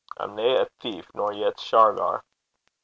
I'm nae a thief, nor yet's Shargar.'